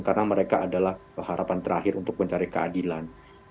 karena mereka adalah harapan terakhir untuk mencari keadilan